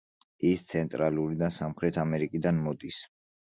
ის ცენტრალური და სამხრეთ ამერიკიდან მოდის.